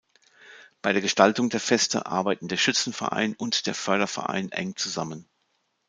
Bei der Gestaltung der Feste arbeiten der Schützenverein und der Förderverein eng zusammen.